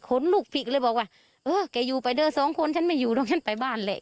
ลูกผิดเลยบอกว่าเออแกอยู่ไปเด้อสองคนฉันไม่อยู่หรอกฉันไปบ้านแหละ